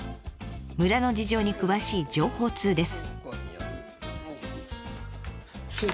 村の事情に詳しい情報通です。